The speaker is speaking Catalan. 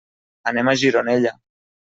Anem a Gironella.